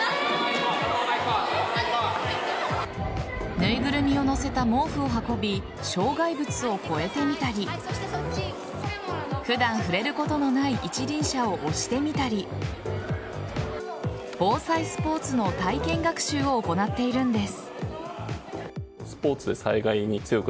縫いぐるみを載せた毛布を運び障害物を越えてみたり普段触れることのない一輪車を押してみたり防災スポーツの体験学習を行っているんです。